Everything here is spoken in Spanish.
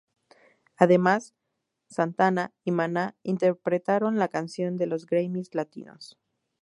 Además, Santana y Maná interpretaron la canción en los Grammy Latinos.